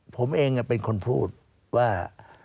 ผมเองเป็นคนพูดว่า